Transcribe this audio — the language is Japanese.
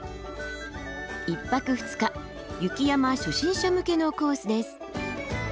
１泊２日雪山初心者向けのコースです。